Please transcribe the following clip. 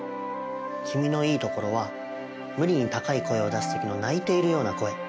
君のいいところは、無理に高い声を出すときの泣いているような声。